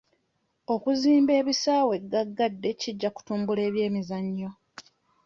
Okuzimba ebisaawe ggaggadde kijja kutumbula eby'emizannyo.